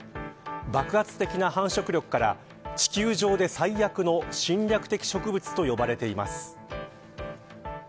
爆発的な繁殖力から地球上で最悪の侵略的植物と呼ばれています。